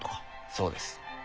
そうです。